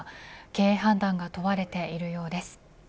経営判断が問われているようです。